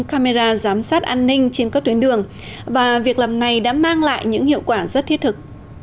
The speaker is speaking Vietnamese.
camera giám sát an ninh trên các tuyến đường và việc làm này đã mang lại những hiệu quả rất thiết thực